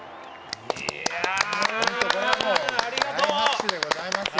これは大拍手でございますよ。